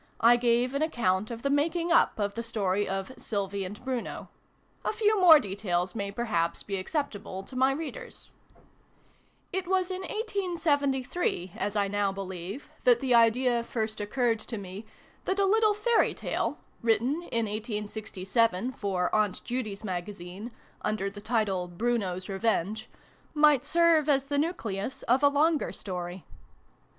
I gave an account of the making up of the story of " Sylvie and Bruno." A few more details may perhaps be accept able to my Readers. xii PREFACE. It was in 1873, as I now believe, that the idea first occurred to me that a little fairy tale (written, in 1867, for "Aunt Judy's Magazine," under the title " Bruno's Revenge ") might serve as the nucleus of a longer story.